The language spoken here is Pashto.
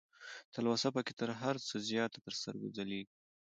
تلوسه پکې تر هر څه زياته تر سترګو ځلېږي